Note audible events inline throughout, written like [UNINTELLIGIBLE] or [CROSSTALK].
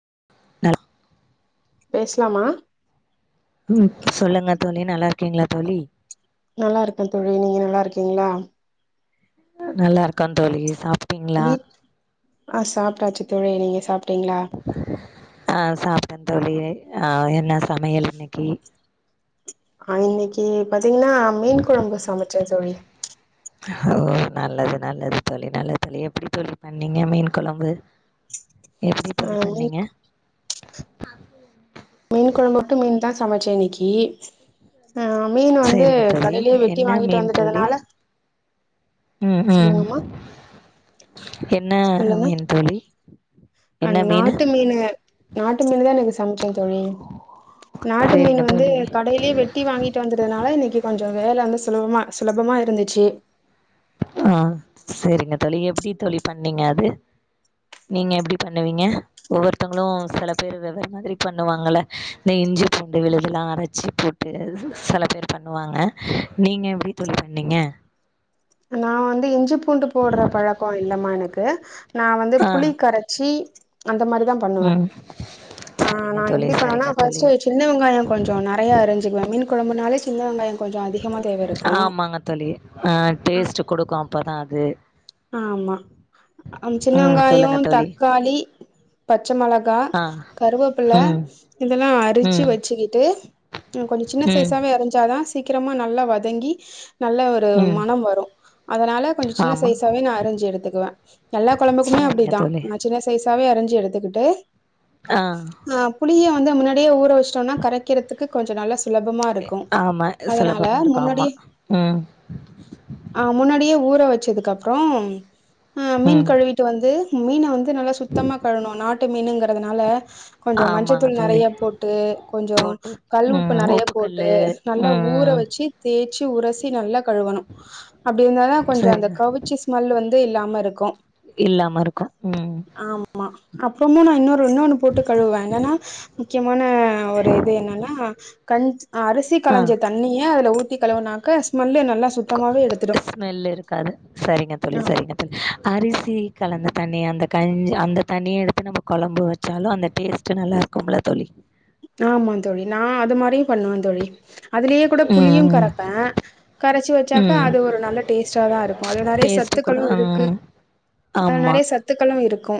[UNINTELLIGIBLE] பேசலாமா உம் சொல்லுங்க தோழி நல்லா இருக்கீங்ளா தோழி நல்லா இருக்க தோழி நீங்க நல்லா இருக்கீங்ளா நல்லா இருக்க தோழி சாப் வீட் ஆ சாப்டாச்சு தோழி நீங்க சாப் டீங்ளா அ சாப்ட்ட தோழி அ என்ன சமையல் இன்னைக்கு ஆ இன்னைக்கி பாத்தீங்ன்னா மீன் குழம்பு சமைச்ச தோழி ஓ நல்லது நல்லது தோழி நல்லது தோழி எப்டி தோழி பண்ணீங்க மீன் கொழம்பு எப்டி ஆ தோழி மீன் பண்ணிங்க மீன் கொழம்பு மட்டும் மீன் தா சமச்ச இன்னிக்கி ஆ மீன் வந்து சேரிங்க தோழி கடையலயே வெட்டி என்ன வாங்கிட்டு மீன் தோழி வந்துட்டதுனால ம் ம் சொல்லுங்கம்மா என்ன சொல்லுங்க மீன் தோழி ஆ என்ன மீனு நாட்டு மீனு தா எனக்கு ம் சமச்சன் தோழி நாட்டு மீன் சேரிங்க வந்து தோழி கடையிலயே வெட்டி வாங்கிட்டு வந்ததுனால இன்னிக்கு கொஞ்சோ வேல வந்து சு சுலபமா சுலபமா இருந்துச்சி ஆ சேரிங்க தோழி எப்டி தோழி பண்ணீங்க அது நீங்க எப்படி பண்ணுவீங்க ஒவ்வொருத்தங்களு சில பேரு வெவ்வேற மாதிரி பண்ணுவாங்கல்ல இந்த இஞ்சி பூண்டு விழுதல்லா அரைச்சு போட்டு சில பேர் பண்ணுவாங்க நீங்க எப்டி தோழி பண்ணீங்க நா வந்து இஞ்சிப் பூண்டு போடுற பழக்கோ இல்லமா எனக்கு நா வந்து ஆ புளி கரைச்சி அந்த மாரிதா பண்ணுவ ம் ஆ சரிங்க நா தோழி எப்டி பண்ணுவனா சரிங்க தோழி ஃபர்ஸ்ட் சின்ன வெங்காய கொஞ்சோ நெறைய அரிஞ்சிக்குவ மீன் குழம்புனாலே சின்ன வெங்காய கொஞ்சோ அதிகமா தேவ இருக்கும் டேஸ்டு குடுக்கு அப்ப தா அது [UNINTELLIGIBLE] ஆமா சின்ன ம் வெங்காயோ சொல்லுங்க தோழி தக்காளி பச்ச மொளகா ஆ கருவேப்பிள்ள ம் இதெல்லா அர ரிச்சி ம் வச்சிக்கிட்டு ம் கொஞ்ச சின்ன ம் சைஸாவே அரிஞ்சாதா சீக்கிரமா நல்லா வதங்கி நல்ல ஒரு ம் மனம் வரு அதனால கொஞ்சோ சின்ன ஸ் ஆமா அப்பவே நான் அறிஞ்சி எடுத்துக்குவேன் எல்லா குழம்புக்குமே சரிங்க அப்படிதான் தோழி நான் சின்ன சைஸ்ச அப்பவே அறிஞ்சி எடுத்துக்கிட்டு ஆ நா அப்படியா வந்து முன்னாடியே ஊற வெச்சிடோம்ன கரைக்கிறதுக்கு கொஞ்ச நல்ல கே ஆமா சுலபமா இருக்கும் ஆமா முன்னாடியே ம்ம் செதுக்கப் அப்றோ ஆ மீன் ம் கழுவிட்டு வந்து மீன வந்து நல்லா சுத்தமா கழுவனு நா ட்டு மீனுங்கிறதுனால கொஞ்ச ஆமாங்க மஞ்சத்தூள் தோழி நெறையா போட்டு கொஞ்ச போட்டு கல்லுப்பு ம் நெறையா போட்டு உப்புக்கல்லு நல்லா ஊற ம் வெச்சு தே ச்சி உரசி நல்லா கழுவணு அப்டி இருந்தாதா கொஞ்ச அந்த சரிங்க கவுச் ஸ்மெல்லு வந்து இல்லாம இருக்கு இல்லாம இருக்கு ம் அப்புறமா நா இன்னொ னு போட்டு கழுவே என்னனா முக்கியமான ஒரு இது என்னன்னா கஞ் அரிசி ஆ கழிஞ்ச தண்ணிய அதுல ஊத்தி கழுவுனாக்க ஸ்மெல்லு நல்லா சுத்தமாவே எடுத்துடு ஸ்மெல் இருக்காது சரிங்க தோழி ஆமா சரிங்க தோழி அரிசி கலந்த தண்ணிய அந்த கஞ்சி அந்த தண்ணிய எடுத்து நம்ம கொழம்பு வெச்சாலு அந்த டேஸ்ட்டு நல்லா இருக்கும்ல தோழி ஆமா தோழி நா அது மாரி பண்ணுவந் தோழி அதுலயே கூட புளியு ம் கரப்ப கரைச்சு வச்சாக்க ம் அது ஒரு நல்ல டேஸ்ட்டாதா இருக்கு அதுல நறைய டேஸ்ட்டு கூட சத்துக்களு இலுக்கு ம் அதுல ஆமா நறைய சத்துக்களு இருக்கு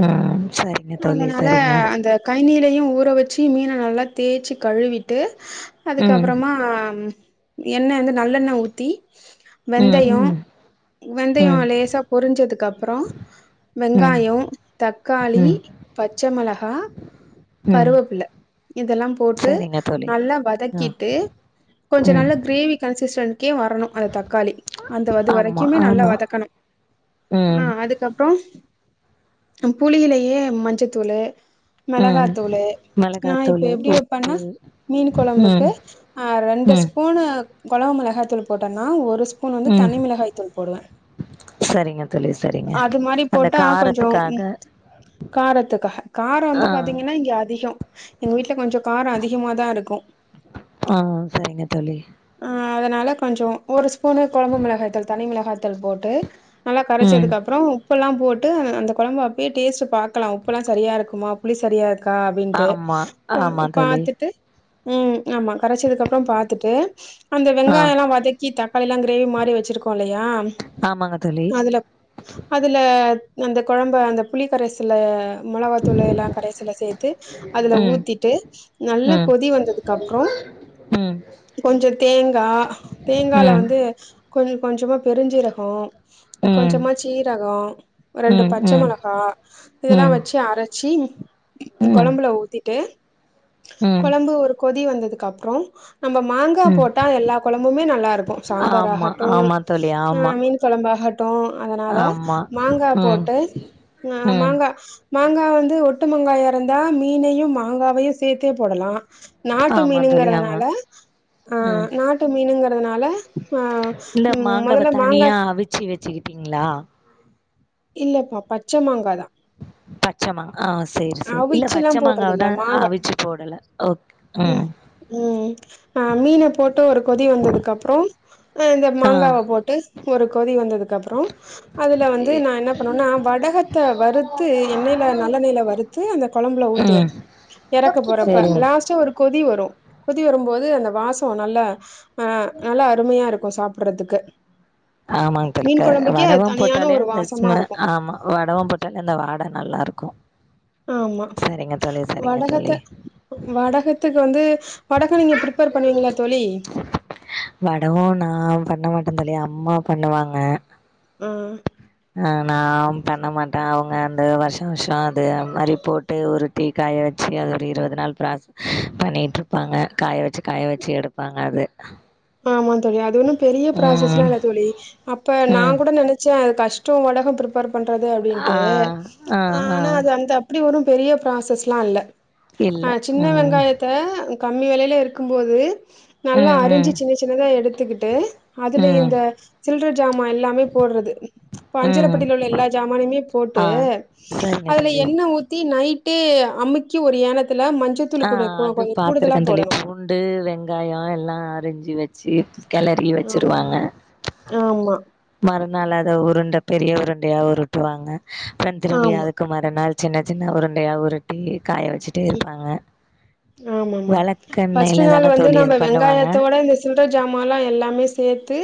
ம் சரிங்க தோழி சரிங்க யிலயு ஊற வச்சு மீனை நல்லா தேச்சு கழுவிட்டு ம் அதுக்கப்பறமா எண்ணெ வந்து நல்லெண்ணெ ஊத்தி ம் வெந்தய ம் வெந்தய ம் லேசா பொரிஞ்சதுக்கு அப்ற ம் வெங்காய தக்காளி ம் பச்ச மெளகா ம் கருவேப்பில இதெல்லா போட்டு சரிங்க தோழி நல்லா ஆ வதக்கிட்டு கொஞ்ச ம் நல்லா கிரேவி கன்சிஸ்டென் சிக்கே வரணு அந்த தக்காளி அந்த அது ஆமா வரைக்குமே நல்லா ஆமா வதக்கணு ஆ ம் அதுக்கப்ற புளியிலயே மஞ்சத்தூளு ம் மெளகாத்தூளு நா இப்ப மிளகாத்தூளு எப்டி உப்பு வெப்பன்னா மீன் ம் கொழம்புக்கு அ ரெண்டு ம் ஸ்பூனு கொழம்பு மொளகாத்தூள் போட்டன்னா ஒரு ஸ் பூன் வந்து ம் தனி மிளகாய் தூள் போடுவ சரிங்க தோழி சரிங்க அது மாரி அந்த போட்டா கொஞ்சோ காரத்துக்காக காரத்துக்காக கார வந்து ஆ பாத்திங்கன்னா இங்க அதிக எங்க வீட்ல கொஞ்ச கார அதிகமாதா இருக்கு ஆ சரிங்க தோழி ஆ அதனால கொஞ்ச ஒரு ஸ்பூனு கொழம்பு மிளகாயத்தூள் தனி மெளகாத்தூள் போட்டு நல்லா ம் கரச்சதுக்கப்றொ உப்புல்லா போட்டு அ அந்த கொழம்ப அப்பே டேஸ்ட்டு பாக்கலா உப்புல்லா சரியா இருக்குமா புளி சரியா க்கா அப்டின்ட்டு ஆமா ப ஆமா தோழி பாத்துட்டு ம் ஆமா கரச்சதுக்கப்றொ பாத்துட்டு அந்த ஆ வெங்காயொல்லா வதக்கி தக் காளியெல்லா க்ரேவி மாறி வச்சிருக்கோ இல்லையா ஆமாங்க தோழி அதுல அதுல அந்த கொழம்ப அந்த புளி கரைசல மொளவாத்தூளு எல்லா கரைசல சேத்து அதுல ம் ஊத்திட்டு நல்ல ம் கொதி வந்ததுக்கப்றொ ம் கொஞ்சொ தேங்கா தேங்கால ம் வந்து கொஞ் கொஞ்சமா பெருஞ்சீரகொ ம் ம் கொஞ்சமா சீரகொ ரெண்டு ம் பச்ச மெளகா இதெல்லா ம் வெச்சி அர சி ம் கொழம்புல ஊத்திட்டு ம் கொழம்பு ஒரு கொதி வந்ததுக்கு அப்றோ நம்ம மாங்கா ம் போட்டா எல்லா கொழம்புமே நல்லா இருக்கு, சாம்பார் ஆமா ஆகட்டு ஆமா தோழி ஆ ஆமா மீன் கொழம்பாக ட்டு அதனால ஆமா மாங்கா ம் போட்டு அ ம் மாங்கா மாங்கா வந்து ஒ ட்டு மங்காயா இருந்தா மீனையு மாங்காவையு சேத்தே போடலா. நாட்டு ஆமா தோழி ஆமா மீனுங்கறதுனால ஆ, ம் நாட்டு மீனுங் கறதுனால ஆ, ம் மொதல்ல மாங்கா ச்சுக்கிட்டீங்ளா இல்லப்பா பச்ச மாங்காதா பச்ச மா ஆ, சேரி சேரி இல்ல அவிச்சுல்லா பச்ச போடுறது மாங்காவதா, இல்ல மாங்கா அவிச்சு போடல ம் ம் அ மீன போட்டு ஒரு கொதி வந்ததுக்கப்றோ அ இந்த ஆ ம் மாங்காவ போட்டு ஒரு கொதி வந்தது க்கு அப்றோ அதுல வந்து நா என்ன பண்ணுவன்னா வடகத்த வறுத்து எண்ணெய்ல நல்லெண்ணெய்ல வறுத்து அந்த கொழம்புல ஊத்துவ எறக்க போறப்ப சேரிங்க லாஸ் கொதி வரும் கொதி வரும்போது அந்த வாசம் நல்லா ஆ நல்லா அருமையாரு போ சாப்புர்றதுக்கு ஆமாங் தோழி க வடவம் தனியான போட்டாலே ஒரு அந்த வாசமா ஸ்ம இருக்கு ஆமா வடவோ போட்டாலே அந்த வாட நல்லார்க்கு ஆமா வடகத்த தோழி வடகத்துக் வந்து வடக நீங்க ப்ரிப்பேர் பண்ணுவீங்ளா தோழி பன்னலயாம் உம்மா பண்ணுவாங்க ஆ அ நாம் பண்ண மாட்டே அவ்ங்க அந்த வர்ஷோ வர்ஷோ அதும் மாரி போட்டு உருட்டி காய வச்சு அது ஒரு இருவது நாள் ப்ராஸ் பண்ணிட்ருப்பாங்க காய வச்சு காய வச்சு எடுப்பாங்க அது ஆமா தோழி அது ஒன்னு பெரிய ப்ராசஸ்லா ம் இல்ல தோழி அப்ப நா ம் கூட நெனச்சே அத் கஷ்டோ உலஹம் ப்ருப்பேர் பண்றது ஆ அப்டின்ட்டு ஆ ஆ ஆனா அது அந்த அப்டி வரும் பெரிய ப்ராசஸ்லா ல்ல இல்ல ஆ சின்ன ம் வெங்காயத்த கம்மி வெலைல இருக்கும்போது நல்லா ம் ம் அறிஞ்சி எல்லா எடுத்துக்குட்டு அதுல ம் இந்த கில்ருட் ஜாமா எல்லாமே போட்றது இப்ப ம் அஞ்சரப்பெட்டில உள்ள எல்லா ஜாமானுமே போட்டு ஆ சரிங்க அதுல தோழி எண்ண ஊத்தி நை ட்டு அம்மிக்கு ஒரு யானத் ஆ அது பாத்துருக்கே தோழி போடணு பூண்டு வெங்காயோ எல்லா அரிஞ்ச் ஞ்சி வச்சி கெளரி ஆமா வச்சிருவாங்க ஆமா மற னால அத உருண்ட பெரிய உருண்டையா உருட்டுவாங்க ப்றன் திரும்பி ஆமா அதுக்கு மறுநாள் சின்ன சின்ன உருண்டையா உருட்டி காய வச்சுட்டே இருப்பாங்க ஆமா ஆமா விளக்கெண்ணெயில ஃப்ர்ஸ்ட்டு நாள் தானே வந்து தோழி அது நம்ம பண்ணுவாங்க? வெங்காயத்தோட இந்த சில்ற ஜாமாலா எல்லாமே சேத்து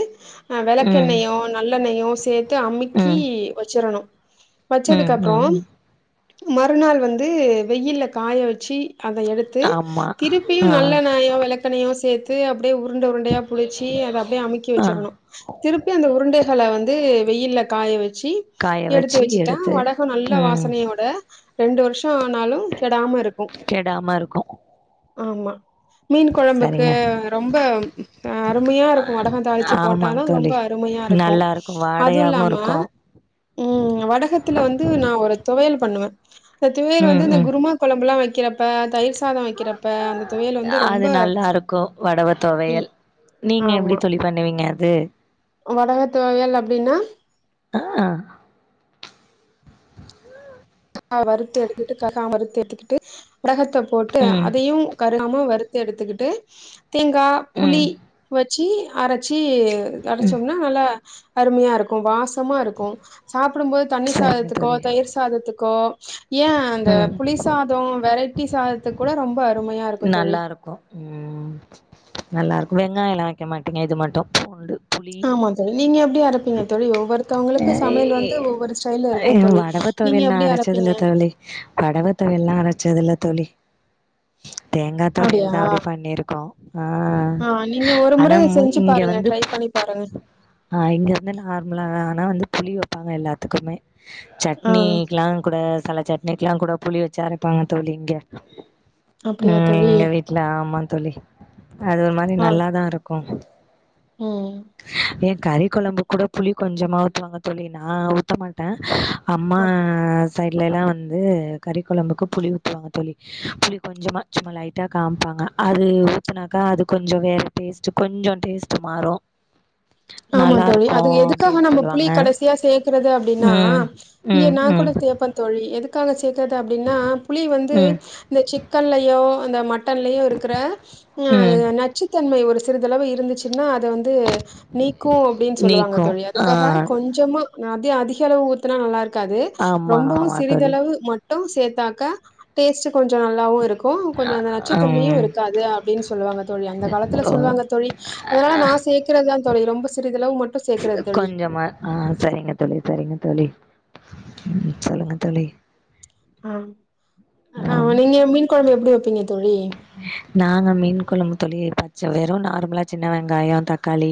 ஆ ம். வெளக்கெண்ணையு நல்லெண்ணயு சேத்து அமுக்கி ம். வச்சிரணு ம். வச்சதுக்கப்றோ ம். ம். மறுநாள் வந்து வெயில்ல காய வச்சி அதய - த்து ஆமா. திருப்பியு ஆ. நல்ல நாயோ வெளக்கென்னையோ சேத் - து அப் அப்டியே உருண்ட உருண்டையா புடிச்சி அத அப்டியே அமிக்கி ஆ. வச்சிடணு திருப்பி அந்த உருண்டைய கள வந்து வெயில்ல காய வெ ச்சி காய எடுத்து வச்சு வெச்சுட்டா எடுத்து வடக நல்ல ம். வாசனையோட ரெண்டு வருஷ் ஷொ ஆனாலு கெடாம இருக்கு கெடாம இருக்கும். ஆமா மீன் கொழம்புக்கு சரிங்க. ரொம்ப அருமையா இருக்கு வடக தாளிச்சு போட்டாதா ஆமாங்க ரொம்ப தோழி. அருமையா இருக்கு நல்லாருக்கும். அதுவு வாடையாவும் இல்லாம இருக்கும். உஹ்ம் வடகத்துல வந்து நா ஒரு துவையல் பண்ணுவே இந்த துவயல் ம். வந்து இந்த ம். குருமா குழம்பெல்லா வைக் அப்ப தயிர்ச் அது நல்லா இருக்கு வடவ ம் தொவயல் நீங்க எப்டி ஆமா தோழி பண்ணுவீங்க து வடக தொவையல் அப்டின்னா ஆஹ்அ வருத்து எடுத்துட்டு ககாம வருத்து எடுத்துக்கிட்டு உடக ட்ட போட்டு ம் அதையு க லாம வருத்து எடுத்துக்குட்டு தேங்கா புளி ம் வ ச்சி அரச் சி அடச்சோம்னா நல்லா அருமையா இருக்கு வாச் சமா இருக்கு சாப்பிடும்போது தண்ணி சரிங்க சாதத்துக்கோ தோழி தயிர் சாதத்துக் கொ ஏ அந்த ம் புளி சாதோ வெரைட்டி சாத துக்கூட ரொம்ப அருமையா இருக்கு தோழி நல்லா இருக்கு உம் நல்லா இருக் வெங்காயலா வைக்க மாட்டீங்க இது மட்டோ பூண்டு புளி ஆமா தோழி நீங்க எப்டி அரப்பீங்க தோழி ஒவ்வொருத்தவங்களுக்கு சமையல் வந்து ஒவ்வொரு ஸ்டைல்ல ஏ இருக்கு தோழி வடவ நீங்க தொவையல் நா எப்டி அரப்பீங்க அரச்சதில்ல தோழி வடவ தொவையல்லா அரச்சதில்ல தோழி தேங்கா அப்டியா துவையல்தா அப்டி பண்ணிருக்கோ ஆ ஆ நீங்க ஒரு ஆனா முறை மு செஞ்சு இங்க பாருங்க வந்து ட்ரை பண்ணி பாருங்க ஆ இங்க வந்து நார்மலா ஆனா வந்து புளி வப்பாங்க எல்லாத்துக்குமே. ஆ சட்னிக்கிலாம் கூட செல சட்னிக்கெல்லாம் கூட புளி வச்சி அரைப்பாங்க தோழி இங்க அப்டியா ம் தோழி எங்க வீட்ல ஆமா தொழி அது ஒரு மாதிரி ஆ நல்லாதான் இருக்கும். ம் போ எ கறி கொழம்புக் கூட புளி கொஞ்சமா ஊத்துவாங்க தோழி நா ஊத்தமாட்ட அம்மாஸ் சைட்லலைலா வந்து கறி கொழம்புக்கு புளி ஊத்துவாங்க தோழி புளி கொஞ்சமா சும்மா லைட்டா காமிப்பாங்க அது ஊத்துனாக்கா அது கொஞ்சோ வேற டேஸ்ட்டு கொஞ்சோ டேஸ்ட்டு மாறு ஆமாந் தோழி நல்லாருக்கு அது எதுக்காக அப்டின்னு நம்ம புளி சொல்லுவாங்க கடைசியா சேக்கறது அப்டினா ம் இங்க ம் நா ம் கூட சேப்பந் தோழி எதுக் காக சேக் அதாது அப்டின்னா புளி வந்து ம் இந்த சிக்கன்லயோ- அந்த மட் டன்லயும் இருக்கிற ம் அ நச்சுத்தன்மை ஒரு சிறிதளவு இருந்துச்சுன்னா அத வந்து நீக்கும் அப்படின்னு சொல்லுவாங்க நீக்கு தோழி ஆ அதுக்காக கொஞ்சமா நான் அதி-அதிக அளவு ஊத்துனா நல்லா இருக் இருக்காது ஆமா ரொம்பவு ஆமா தோழி சிறிதளவு மட் சேர்த்தாக்க டேஸ்ட் [INAUDIBLE] கொஞ்சம் நல்லாவு இருக்கும் கொஞ்சம் அந்த நச்சுத்தன்மையு ம் இருக்காது அப்டின்னு சொல்லுவாங்க தோழி அந்த காலத்துல ஓ சொல்லுவாங்க தோழி அதனால நான் சிக்கறது தொழி ரொம்ப சிம் கொஞ்சமா ஆ சரிங்க தோழி சரிங்க தோழி. உம் சொல்லுங்க தோழி ஆஹ். அ ஆம் ஆமா நீங்க மீன் குழம்பு எப்டி வைப்பீங்க? தோழி நாங்க மீன் குழம்பு தொளி பச்சை வெறும் நார்மலா சின்ன வெங்காயம் தக்காளி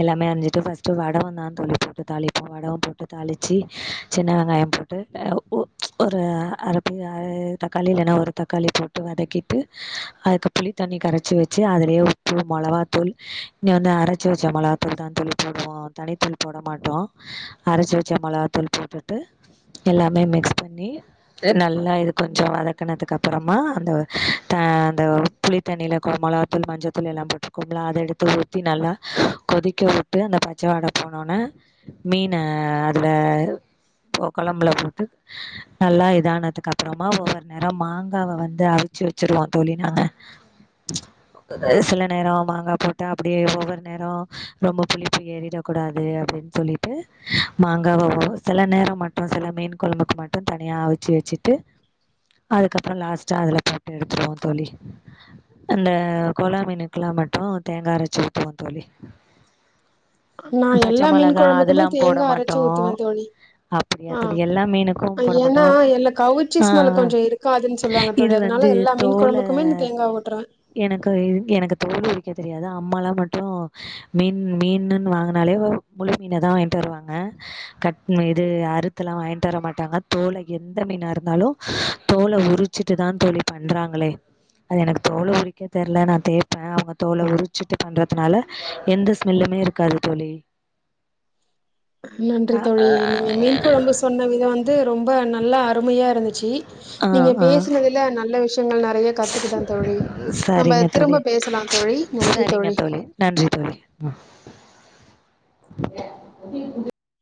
எல்லாமே அரிஞ்சிட்டு ஃபர்ஸ்ட்டு வடவ தான் தோளி போட்டு தாளிப்போம் வடவம் போட்டு தாளிச்சு சின்ன வெங்காயம் போட்டு அ ஒ-ஒரு அறு அரை தக்காளி இல்லைன்னா ஒரு தக்காளி போட்டு வதக்கிட்டு. அதுக்கு புளித்தண்ணி கரைச்சி வச்சு அதுலயே உப்பு மிளகாத்தூள் இன்ன வந்து அரச்சி வச்ச மிளகாத்தூள் தான் தூள் போடுவோ தனித்தூள் போட மாட்டோ அரச்சி வச்ச மிளகாத்தூள் போட்டுட்டு எல்லாமே மிக்ஸ் பண்ணி நல்லா இது கொஞ்சோ வதக்கனதுக்கு அப்றமா அந்த ஹ அந்த புளித்தண்ணியில கொ மிளகத்தூள் மஞ்சத்தூள் எல்லாம் போட்டிருக்கோம்பல்ல அதை எடுத்து ஊத்தி நல்லா கொதிக்க விட்டு அந்த பச்சைவாடை போனோன்னே மீனை அதில போ குழம்புல போட்டு நல்லா இதானதுக்கு அப்புறமா ஒவ்வொரு நேரம் மாங்காவை வந்து அவிச்சு வ வச்சிருவோ தோழி நாங்க சில நேரம் மாங்காய் போட்டு அப்டியே ஒவ்வொரு நேரம் ரொம்ப புளிப்பு ஏறிடக்கூடாது அப்டின்னு சொல்லிட்டு மாங்காவ சில நேரம் மட்டு சில மீன் குழம்புக்கு மட்டும் தனியா அவிச்சு வச்சுட்டு அதுக்கப்பறோ லாஸ்ட்டா அதுல போட்டு எடுத்துடுவோ தோழி அந்த கோலா மீனுக்குலா மட்டு தேங்கா அரச்சி ஊத்துவோ தோழி நா பச்ச எல்லா மீன் மொளகா கொழம்புக்குமே அதெல்லா போட தேங்கா அரச்சு மாட்டோ ஊத்துவே தோழி அப்படியா தோழி ஆஹ் எல்லா மீனுக்கு போட மாட்டோ ஏன்னா எல்ல கவுச்ச ஸ்மெல் கொஞ்ச இருக்காதுன்னு சொல்லுவாங்க தோழி அதுனா ந்து தோல எனக்கு எனக்கு தோல் உரிக் க்கே தெரியாது அம்மாலா மட்டு மீன் மீன்ணுன்னு வாங்கனாலே வ முழு மீன தா வாங்கிட்டு வருவாங்க கட் இது அறுத்துல்லா வாங்கிட்டு வர மாட்டாங்க தோல எந்த மீனா இருந்தாலு தோல உரிச்சிட்டு தா தோழி பண்றாங்களே அது எனக்கு தோல உறிக்க தெரில நா தேப்பே அவங்க தோல உரிச்சுட்டு பண்றத்துனால எந்த ஸ்மெல்லுமே இருக்காது தோழி நன்றி அ அ தோழி நீங்க மீன் கொழம்பு சொன்ன விதம் வந்து ரொம்ப நல்லா அருமயா இருந்துச்சு ஆ நீங்க ஆ பேசினதுல நல்ல விஷ்யோ கள்ள நெறயா கத்துக்கிட்ட தோழி நம்ப சரிங்க தோழி திரும்ப பேசலாந் தோழி நன்றி சரிங்க தோழி நன்றி தோழி ம் [UNINTELLIGIBLE]